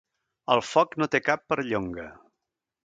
El foc no té cap perllonga.